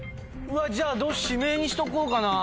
じゃあ「指名」にしとこうかな。